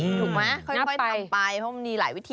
ถูกไหมค่อยทำไปเพราะมันมีหลายวิธี